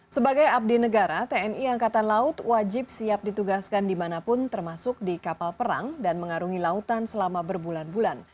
sebagai abdi negara tni angkatan laut wajib siap ditugaskan dimanapun termasuk di kapal perang dan mengarungi lautan selama berbulan bulan